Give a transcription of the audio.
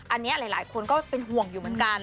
อันนี้หลายคนก็เป็นห่วงอยู่เหมือนกัน